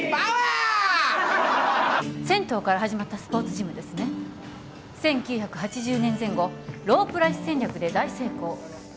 ハハハ銭湯から始まったスポーツジムですね１９８０年前後ロープライス戦略で大成功